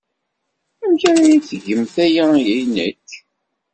Amek ara iyi-tgemt aya i nekk?